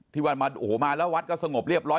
วันมาโอ้โหมาแล้ววัดก็สงบเรียบร้อย